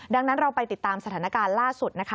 ดังนั้นเราไปติดตามสถานการณ์ล่าสุดนะคะ